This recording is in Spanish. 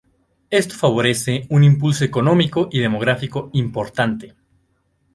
Esto favorece un impulso económico y demográfico importante.